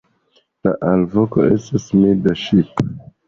La alvoko estas milda "ŝip".